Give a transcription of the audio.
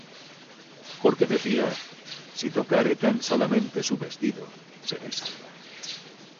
Porque decía: Si tocare tan solamente su vestido, seré salva.